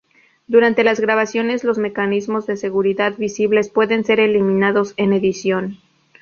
Durante las grabaciones, los mecanismos de seguridad visibles pueden ser eliminados en edición.